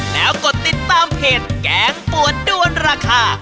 แล้วกดติดตามเพจแกงปวดด้วนราคา